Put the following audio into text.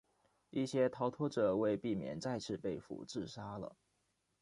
一些逃脱者为避免再次被俘自杀了。